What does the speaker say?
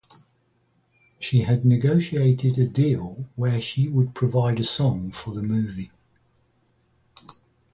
She had negotiated a deal where she would provide a song for the movie.